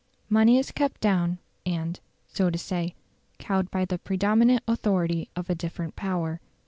Money is kept down, and, so to say, cowed by the predominant authority of a different power.